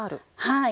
はい。